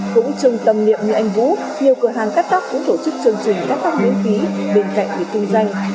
cũng chừng tầm niệm như anh vũ nhiều cửa hàng cắt tóc cũng tổ chức chương trình cắt tóc miễn phí bên cạnh để thương danh